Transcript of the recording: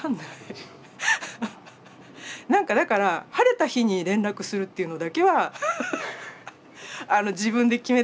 何かだから晴れた日に連絡するっていうのだけは自分で決めてて。